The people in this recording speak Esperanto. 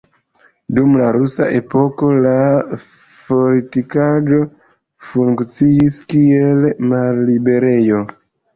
Dum la Rusa epoko la fortikaĵo funkciis kiel malliberejo.